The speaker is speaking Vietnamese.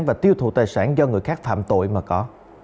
và tiêu thụ tài sản do người khác phạm tội mà có